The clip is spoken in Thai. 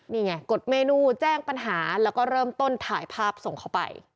นี่ไงกดเมนูแจ้งปัญหาแล้วก็เริ่มต้นถ่ายภาพส่งเข้าไป